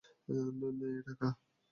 নে, এটা খা।